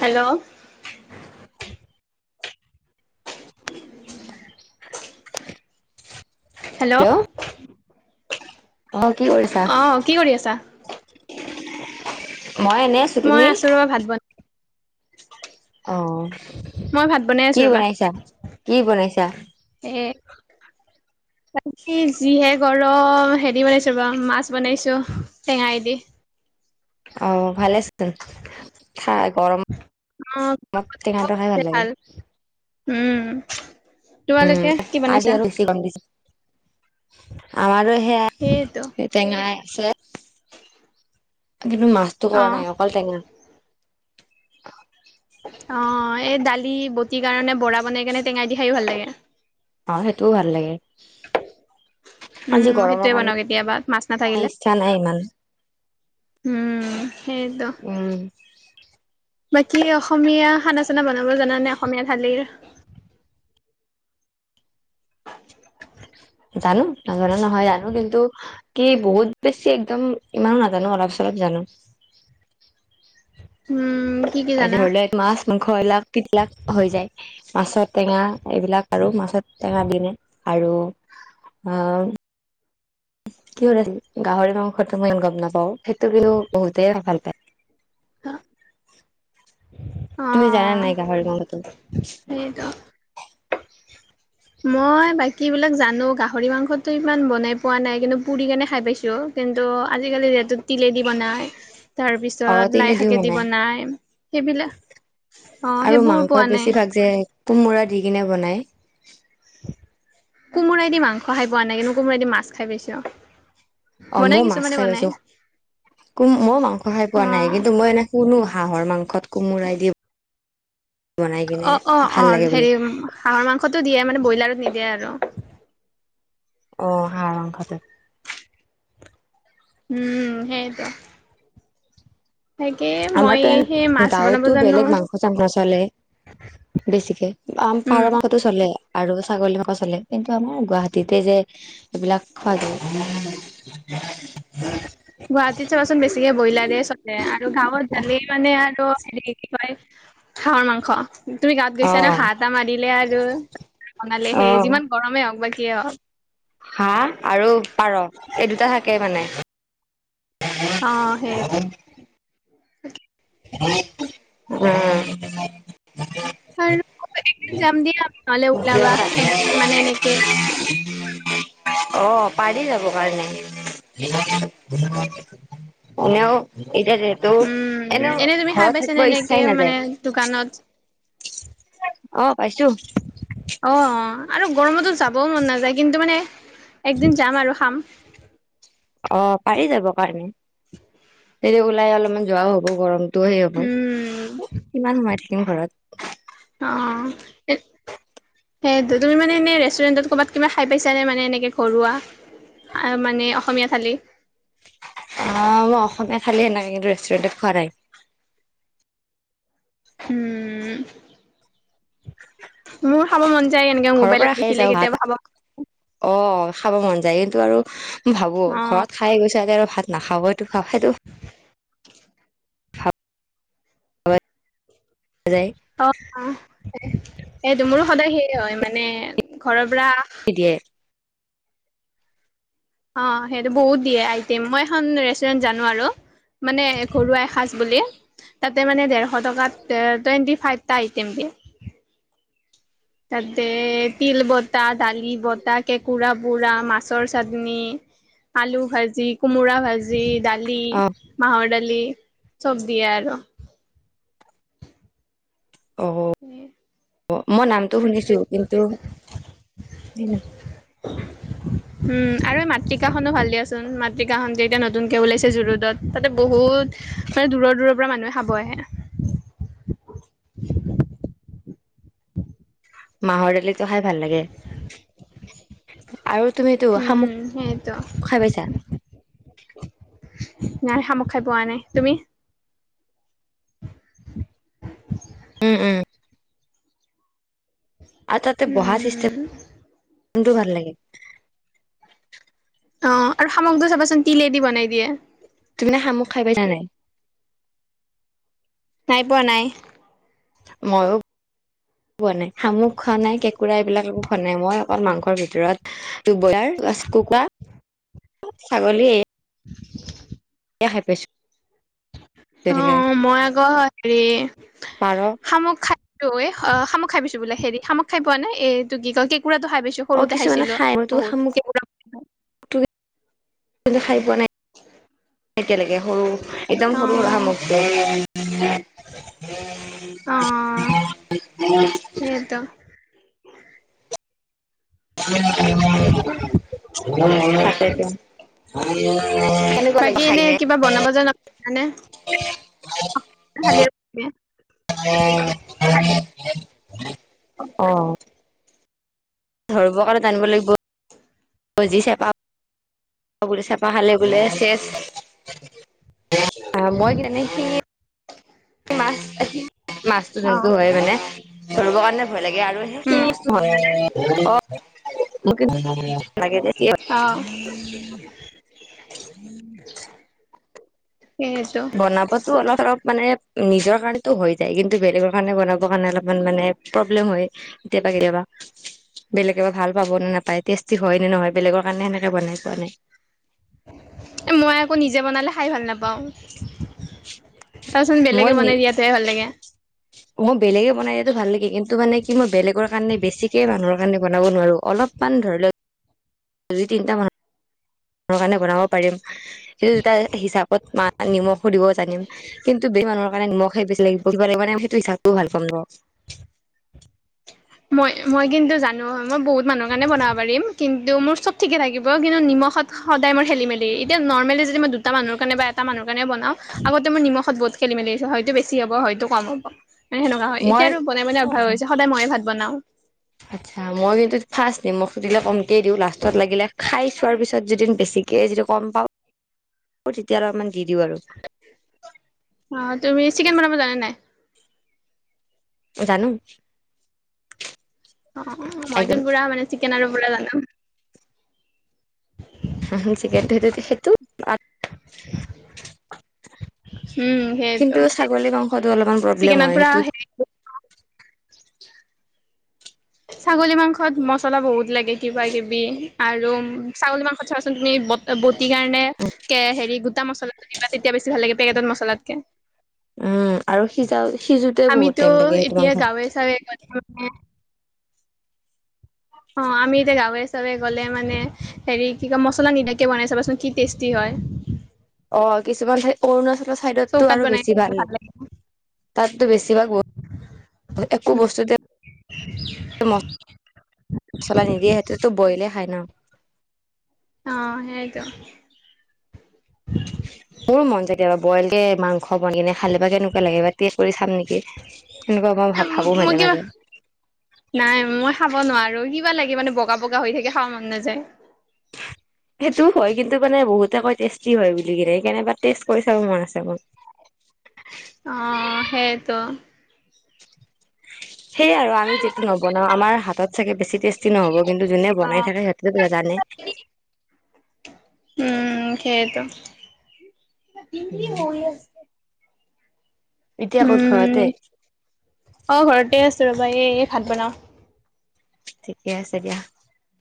Hello [unintelligible] hello অ কি কৰিছা? আহ কি কৰি আছা। মই এনেই আছো মই তুমি? ৰবা ভাত বন অ মই ভাত বনাই আছো কি ৰবা বনাইছা কি বনাইছা? উ যিহে গৰম হেৰি বনাইছো বা মাছ বনাইছো টেঙাই দি [inaudible] আহ ভালে আ খাই গৰম অ মতেে খানটো খাই ভাল লাগে। উম উম তোমালোকে কি আজি বানিছা? আৰু বেছি গৰম দিছে আমাৰো সেইটো সেয়া টেঙাই আছে। কিন্তু মাছতটো অ কৰা নাই অকল টেঙা অ এই দালি বটি কাৰণে বৰা বনাই কেনে টেঙাই দি খায়ো ভাল লাগে। অ সেইটোও ভাল লাগে। উম আজি মই গৰমৰ সেইটোয়ে কাৰণে বনওঁ কেতিয়াবা মাছ নাথাকিলে। ইচ্ছা নাই ইমান উম সেইটো- উম বাকী অসমীয়া খানা চানা বনাব জানানে অসমীয়া থঢালিৰ জানো নাজানো নহয় জানো কিন্তু কি বহুত বেছি একদম ইমানো নাজানো অলপ চলপ চব জানো। উম। কি কি জানা ধৰি লও এক মাছ মংস এলাক টবিলাক হৈ যায় মাছৰ টেঙা এইবিলাক আৰু মাছৰ টেঙা দি নে আৰু অ কি কৰি আছিল গাহৰি মাংসটোো মই ই গম নাপাও সেইটো কিন্তু বহুতেই ভাল পায়। অ তুমি জান নাই গাহৰি সেইটো গড়ালটো। মই বাকী বিলাক জানোঁ গাহৰি মাংসতটো ইমান বনাই পোৱা নাই কিন্তু পুৰি কেনে খাই পাইছোঁ। কিন্তু আজিকালি যিহেতু তিলেদি বনাই। তাৰ অ পিছত লাই তিলে দিও শাকেদি বনাই সেইবিলাক অ আৰু সেইবোৰ মাংসত পোৱা নাই। বেছিভাগ যে কোমোৰা দি কিনে বনাই কোমোইদি মাংস খাই পোৱা নাই কিন্তো কোমোৰাইদি মাছ খাই পাইছো। অ মই মাছ খাই পাইছো ক মই মাংস খাই পোৱা নাই কিন্তু মই এনে কোনো হাঁহৰ মাংসত কোমোৰাই দিম। অ অ অ লাগে বুলি হেৰি হাঁহৰ মাংসটোো দিয়ে মানে ব্ৰইলাৰত নিদিয়ে আৰু আহ হ খতে উম সেইটো। তাকে মই আমাৰো সেই মাছ বনাব গাঁৱতো জানো বেলেগ মাংস চাং নচলে বেছিকে আ পাৰ উম মাহতো চলে। আৰু ছাগলী মাক চলে কিন্তু আমাৰ গুৱাহাটীতে যে এইবিলাক খোৱা যায়। হম গুৱাহাটীত চাবাচোন বেছিকে ব্ৰইলাৰে চলে আৰু গাঁৱত গালেই মানে। হেৰি কি হয় হাহৰ মাংস তুমি গাঁৱত গৈছা ন অ', হাঁহ এটা মাৰিলে আৰু ত বনালে সেই অ', যিমান গৰমেই হওক বা কিয়ে হওক। তাকে মানে অ সেই উম। আৰু একদিন যাম দিয়া নহলে ওলাবা একদিন মানে এনেকে [unintelligible] অ পাৰি যাব কাৰণে এনেও এতিয়াতেতো উম এনেও এনে তুমি খাই ঘৰত পাইছানে থাকিব এনেকে ইচ্ছাই মানে নাযায়। দোকানত অ পাইছো। অ অ আৰু গৰমতো যাবও মন নাযায় কিন্তু মানে একদিন যাম আৰু খাম অ পাৰি যাব কাৰণে তেতিয়া ওলাই অলপমান যোৱাও হ'ব গৰম। তটো সেই উম হ'ব কিমান সোমাই থাকিম ঘৰত। অ সেইটো তুমি মানে এনেই ৰেষ্টুৰেণ্টত ক'ৰবাত কিবা খাই পাইছ নে মানে এনেকৈ ঘৰুৱা? আহ মানে অসমীয়া থালি। অ মই অসমীয়া খালী সেনেকে কিন্তু ৰেষ্টুৰেণ্টত খোৱা নাই। উম মোৰ খাব মন যায় এনেকে ঘৰৰ পৰা মোবাইলত খাই দেখিলে যাওঁ ভাত কেতিয়াবা খাব অ খাব মন যায় কিন্তু আৰু ভাবোঁ ঘৰত খাই গৈছে আ আৰু ভাত নাখাব ইটো সেইটো [inaudible] হয়। অ অ এইটো মোৰো সদায় সেয় হয় মানে ঘৰৰ পুৰা নিদিয়ে অ সেইটো বহুত দিয়ে আইটেম মই এখন ৰেষ্টুৰেন্ট জানোঁ আৰু। মানে ঘৰুৱা এসাজ বুলি তাতে মানে ডেৰশ টকা টুৱেন্টি ফাইপ টা আইটিয়েম দিয়ে [inaudible] তাতে তিল বতাহ দালি বতাহ কেঁকোৰা পুৰা মাছৰ চাটনি আলু ভাজি কোমোৰা ভাজি ভাজি ডালি অ মাহৰ দালি দালি চব দিয়ে আৰু নিম অ মই নামটো শুনিছোঁ কিন্তু [unintelligible] উম আৰু এই মাতৃকাখনো ভাল দিয়াচোন মাতৃকাখনটো এতিয়া নতুনকে ওলাইছে জুৰুডত তাতে বহুত ত মানে দূৰৰ দূৰৰ পৰা মানুহে খাব আহে মাহৰ দালি খাই ভাল লাগে আৰু তুমিতো উম সেইয়েতো শামোক খাই পাইছা? নাই শামুক খাই পোৱা নাই তুমি? উম উম আৰু তাতে বহা উম চিষ্টেমটো ভাল লাগে। অ আৰু শামোক টো চাবাচোন তিলেদি বনাই দিয়ে। তুমি শামোক খাই পাইছা নাই? নাই পোৱা নাই। মইয়ো পোৱা নাই শামুক খোৱা নাই কেঁকুৰা এইবিলাক একো খোৱা নাই মই অকল মাংসৰ ভিতৰত কুকুৰা ছাগলী [inaudible] এয়া খাই পাইছোঁ। অ মই আকৌ হেৰি পাৰ শামুক খাইছোঁ এ অ শামুক খাই পাইছোঁ বোলে হেৰি শামুক খাই পোৱা নাই এইটো কি কয় কেঁকোৰা খাই পাইছো অ সৰুতে কিছুমানে খাইছিলোঁ খাই বহুত। কিন্তু খাই পোৱা নাই। এতিয়ালৈকে সৰু একদম অ সৰু সুৰা অ সামগ্ৰী। সেইয়েতো [unintelligible] [unintelligible] কেনেকুৱা বাকী লাগিব খাই এনে কিনে? কিবা বনাব জানা নে খালি [unintelligible] অ ধৰিব ক'ত আনিব লাগিব বজি চপা বো চপা খালে বোলে চেচ অ মই কেনেকি মাছ মাছতো অ যোনটো হয় মানে ধৰিব কাৰণে ভয়। লাগে আৰু উম সেই অ মোক কিন্তু অ সেইটো বনাৱটো অলপ চলপ মানে নিজৰ কাৰণো হৈ যায় কিন্তু বেলেগৰ কাৰণে বনাব কাৰণে অলপমান মানে প্ৰব্লেম হয় কেতিয়াবা কেতিয়াবা [inaudible] বেলেগে বা ভাল পাব নে নাপায় টেষ্টি হয় নে নহয় বেলেগৰ কাৰণে সেনেকে বনাই পোৱা নাই চাবাচোন মই বেলেগে নি বনাই দিয়াতোহে ভাল লাগে। মই বেলেগে বনাই দিয়াতো ভাল লাগে কিন্তু মানে কি মই বেলেগৰ কাৰণে বেছিকে মানুহৰ ণে বনাব নোৱাৰো অলপমান ধৰি লও দুই তিনটা মান ম কাৰণে বনাব পাৰিম সেইটা হিচাপত ম নিমখ সুধিব জানিম কিন্তু ব মানুহৰ মানে নিমখে বেছি লাগিব পঢ়িব লাগিব মানে সেইটো হিচাপটোও ভাল পাম বাৰ মই মই কিন্তু জানো মই বহুত মানুহৰ কাৰণে বনাব পাৰিম কিন্তু মোৰ চব ঠিকে থাকিব কিন্তু মখত সদায় মই খেলি মেলি এতিয়া নৰ্মেলি যদি মই দুটা মানুৰ কাৰণে বা এটা মা কাৰণে বনাও আগতে মোৰ নিমখত বহুত খেলি মেলি আছে হয়ত বেছি হ'ব হয়তো কম হ'ব মানে সেনেকুৱা হয় মই এতিযাটো বনাই মন অভ্যাস হৈছে সদায় ময়ে ভাত বনাও। আচ্ছা মই কিন্তু ফাৰ্ষ্ট নিমখটো দিলে কমকে দিওঁ লাষ্টত লাগিলে খাই চোৱাৰ পিছত যদি বেছি ঠিকে যদি কম পাওঁ তেতিয়া অলপমান দি দিওঁ আৰু অ তুমি চিকেন বনাব জানা নাই? জানো। অ অ মইটো একদম পোৰা মানে চিকেন আৰু পোৰা জানো হ ঠিকে সেইটো সেইটো [unintelligible] উম সেইটো, কিন্তু ছাগলী মাংসটো অলপমান প্ৰব্লেম চিকেনত হয় পুৰা সেইটো সেই [unintelligible] ছাগলী মাংসত মচলা বহুত লাগে কিবা- কিবি আৰু ছাগলী মাংসত চাবাচোন সেই বট বটি কাৰণে কে হেৰি গোটা মছলাটো দিবা তেতিয়া বেছি ভাল লাগে পেকেটত মছলাতকে। উম আৰু সিজাও সিজোতে বহুত আমিতো টাইম লাগে সেইটো এতিয়া মাংস গাঁৱে চাৱে গ'লে মানে অ আমি এতিয়া গাঁৱে হিচাপে গ'লে মানে হেৰি কি কয় মছলা নিদাকে বনাই চাবাচোন কি টেষ্টি হয় হয়। অ কিছুমান অৰুণাচলৰ চাইডতটো চৌকাত আৰু বনাই বেছি ভাল লাগে তাতো বেছি বেছিভাগ একো বস্তুতে, মচলা নিদিয়ে সতে টো বইলে খাই ন অ সেইটো মোৰো মন যায় কেতিয়াবা বইল কে মাংস বনিলে খালে বা কেনেকুৱা লাগে বা কৰি চাম নেকি সেনেকুৱা মই ভা ভাবো মই মাজে কিবা মাজে নাই মই খাব নোৱাৰো কিবা লাগে মানে বগা বগা হৈ থাকে খাব মন নাযায় সেইটোও হয় কিন্তু মানে বহুতেকৈ টেষ্টি হয় বুলি কিনে কেনেবা টেষ্ট কৰি চাব মন আছে মোৰ অ সেইতো সেই আৰু আমি যিটো নবনাও আমাৰ হাতত চাগে বেছি টেষ্টি নহ'ব কিন্তু যোনে বনাই থাকে সিহঁতেটো জানে। উম সেইটো [unintelligible] এতিয়া উৎসৱতে উম তাৰপৰা এই ভাত বনাওঁ ঠিকে আছে দিয়া।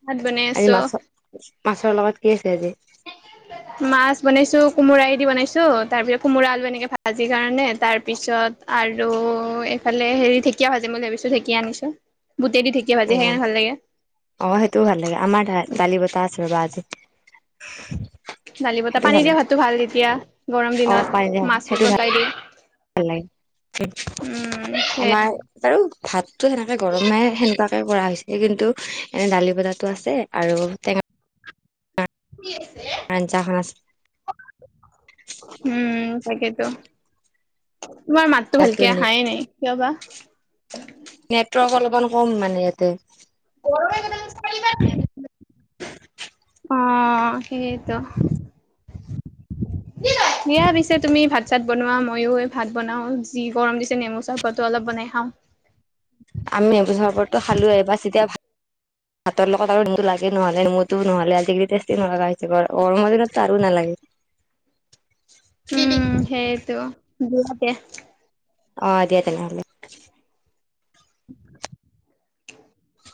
ভাত বনাই আজি আছোঁ। মাছ মাছৰ লগত কি আছে আজি? [unintelligible] মাছ বনাইছো কোমোৰা দি বনাইছো তাৰ পিছত কোমোৰা আলু এনেকে ভাজি কাৰণে তাৰ পিছত অত আৰু এইফালে হেৰি ঢেঁকীয়া ভাজিম বুলি ভাবিছো ঢেকীয়া আনিছো। বুটেদি ঢেকীয়া ভাজি অ, সেইকাৰণে ভাল লাগে অ সেইটোও ভাল লাগে আমাৰ তাই দালি বতাহ আছে ৰবা আজি। দালি বতা সেইটো পানী দিয়া লাগে ভাতো ভাল তেতিয়া গৰম দিনত মাছ গতাই দি। ওলাই, উম সেই আমাৰ বাৰু ভাতটো সেনেকৈ গৰমে সেনেকুৱাকে কৰা হৈছে কিন্তু এনে দালি বতাহটো আছে আৰু টেঙা আঞ্জাখন উম। তাকেতো, তোমাৰ মাততো আছে ভালকে আহাই নাই কিয় বা? নেটৱৰ্ক অলপমান কম মানে ইয়াতে। [unintelligible] অ সেইটো। সেইয়া পিছে তুমি ভাত চাত বনোৱা মইও ভাত বনাওঁ, যি গৰম দিছে নেমু চৰবত অলপ বনাই খাওঁ। [unintelligible] আমি নেমু চৰবতটো খালোৱেই বাচ এতিয়া ভাত [inaudible] ভাতৰ লগত আৰু দিনটো লাগে নহ'লে নেমুটো নহ'লে আজিকালি টেষ্টি নলগা হৈছে, গৰমৰ দিনতো আৰু নালাগে। উম সেইটো দিও দে। অ দিয়া তেনেহলে। [unintelligible]